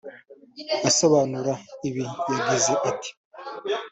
Asobanura ibi yagize ati